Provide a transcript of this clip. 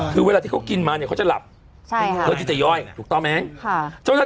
คือเวลาที่เค้ากินมาเนี้ยเขาจะหลับใช่ค่ะเธอที่จะย่อยถูกต้องไหมค่ะ